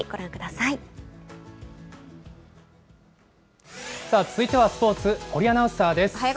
さあ続いては、スポーツ、堀アナウンサーです。